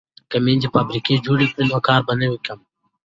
که میندې فابریکه جوړ کړي نو کار به نه وي کم.